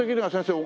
はい。